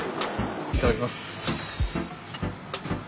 いただきます。